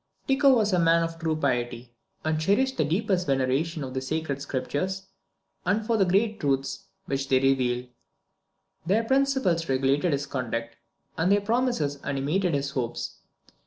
Tycho was a man of true piety, and cherished the deepest veneration for the Sacred Scriptures, and for the great truths which they reveal. Their principles regulated his conduct, and their promises animated his hopes.